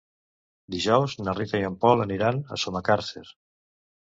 Dijous na Rita i en Pol aniran a Sumacàrcer.